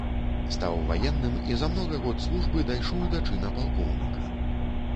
Стаў ваенным і за многа год службы дайшоў да чына палкоўніка.